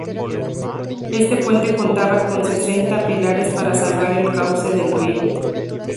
Este puente contaba con sesenta pilares para salvar el cauce del río.